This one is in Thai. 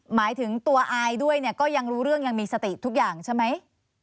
หมายถึงตัวอายด้วยเนี่ยก็ยังรู้เรื่องยังมีสติทุกอย่างใช่ไหม